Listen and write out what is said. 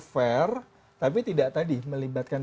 fair tapi tidak tadi melibatkan